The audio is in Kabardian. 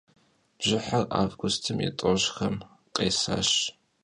Bjıher avgustım yi t'oş'xem khesaş.